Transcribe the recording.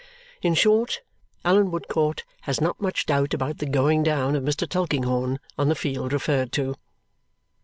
In short, Allan Woodcourt has not much doubt about the going down of Mr. Tulkinghorn on the field referred to.